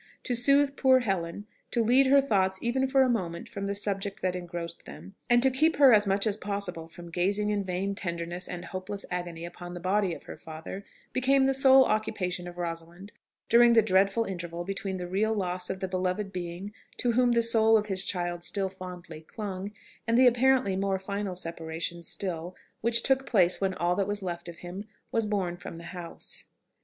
To soothe poor Helen, to lead her thoughts even for a moment from the subject that engrossed them, and to keep her as much as possible from gazing in vain tenderness and hopeless agony upon the body of her father, became the sole occupation of Rosalind during the dreadful interval between the real loss of the beloved being to whom the soul of his child still fondly clung, and the apparently more final separation still which took place when all that was left of him was borne from the house.